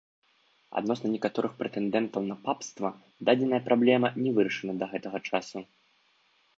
Адносна некаторых прэтэндэнтаў на папства дадзеная праблема не вырашана да гэтага часу.